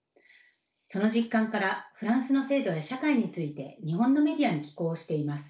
その実感からフランスの制度や社会について日本のメディアに寄稿をしています。